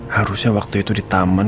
harusnya waktu itu di taman